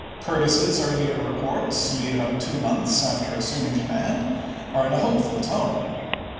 Curtis's earlier reports, made about two months Part I • p. 788.' after assuming command, are in a hopeful tone.